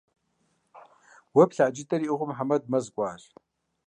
Уэ плъа джыдэр иӏыгъыу Мухьэмэд мэз кӏуащ.